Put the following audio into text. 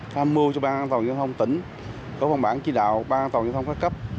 tham mưu cho ban an toàn giao thông tỉnh có văn bản chỉ đạo ban an toàn giao thông các cấp